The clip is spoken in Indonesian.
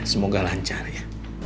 semoga lancar ya